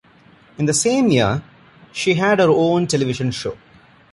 In the same year, she had her own television show.